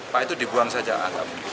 pak itu dibuang saja